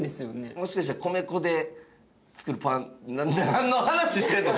もしかしたら米粉で作るパンなんの話してんの？